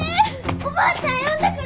おばあちゃん呼んでくる！